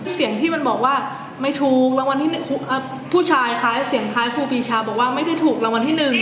เสียงที่มันบอกว่าไม่ถูกรางวัลที่๑ผู้ชายคล้ายเสียงคล้ายครูปีชาบอกว่าไม่ได้ถูกรางวัลที่๑